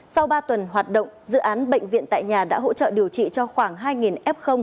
sau ba tuần hoạt động dự án bệnh viện tại nhà đã hỗ trợ điều trị cho khoảng hai f